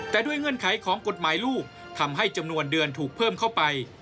แต่ด้วยเงื่อนไขของกฎหมายลูกทำให้จำนวนเดือนถูกเพิ่มเข้าไป